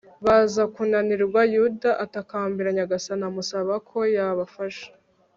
baza kunanirwa. yuda atakambira nyagasani, amusaba ko yabafasha